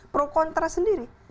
pro kontra sendiri